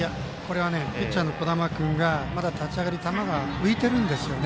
ピッチャーの小玉君がまだ立ち上がり、球が浮いているんです。